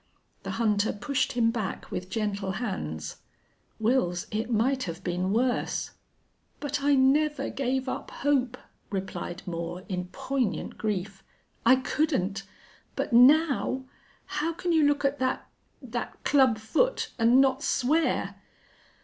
The hunter pushed him back with gentle hands. "Wils, it might have been worse." "But I never gave up hope," replied Moore, in poignant grief. "I couldn't. But now!... How can you look at that that club foot, and not swear?"